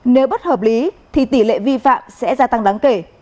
nếu bất hợp lý thì tỷ lệ vi phạm sẽ gia tăng đáng kể